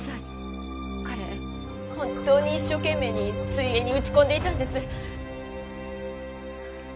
彼本当に一生懸命に水泳に打ち込んでいたんです。